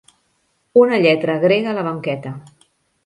Una lletra grega a la banqueta.